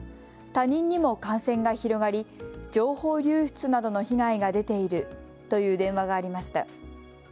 他人にも感染が広がり情報流出などの被害が出ているという電話がありました。